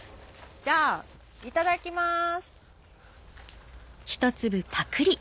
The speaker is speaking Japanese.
じゃあいただきます。